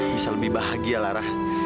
bisa lebih bahagia lara